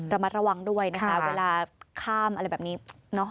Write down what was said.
ระมัดระวังด้วยนะคะเวลาข้ามอะไรแบบนี้เนอะ